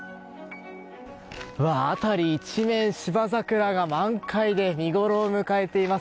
辺り一面、芝桜が満開で見ごろを迎えています。